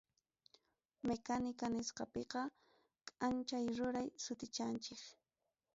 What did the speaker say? Mecánica nisqapiqa, kanchay ruray sutichanchik.